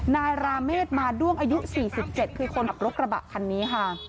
ราเมฆมาด้วงอายุ๔๗คือคนขับรถกระบะคันนี้ค่ะ